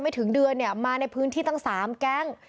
ถึงเดือนเนี่ยมาในพื้นที่ตั้ง๓แก๊ง